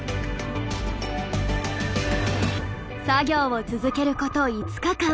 作業を続けること５日間。